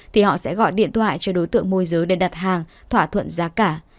thì họ sẽ gọi điện thoại cho đối tượng môi giới để đặt hàng thỏa thuận giá cả